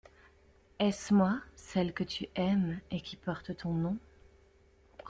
Est-ce moi, celle que tu aimes et qui porte ton nom?